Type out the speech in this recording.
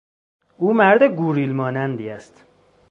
او مرد گوریل مانندی است.